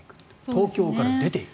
東京から出ていく。